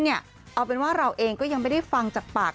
เอาเป็นว่าเราเองก็ยังไม่ได้ฟังจากปาก